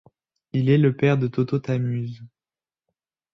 Il est le père de Toto Tamuz.